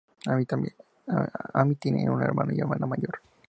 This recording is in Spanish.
Ami tiene un hermano y hermana mayor.